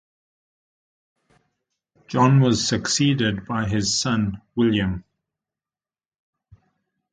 John was succeeded by his son William.